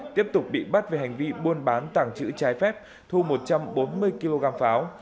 tiếp tục bị bắt về hành vi buôn bán tàng trữ trái phép thu một trăm bốn mươi kg pháo